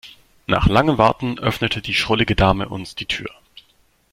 Nach langem Warten öffnete die schrullige Dame uns die Tür.